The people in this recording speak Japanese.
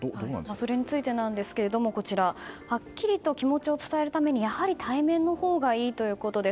それについてなんですがはっきりと気持ちを伝えるためにやはり対面のほうがいいということです。